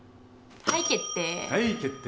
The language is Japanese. はい決定。